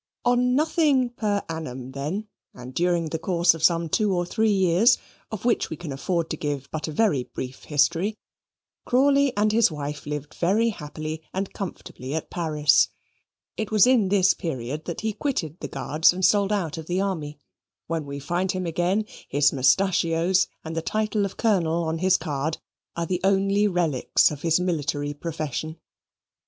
On nothing per annum then, and during a course of some two or three years, of which we can afford to give but a very brief history, Crawley and his wife lived very happily and comfortably at Paris. It was in this period that he quitted the Guards and sold out of the army. When we find him again, his mustachios and the title of Colonel on his card are the only relics of his military profession.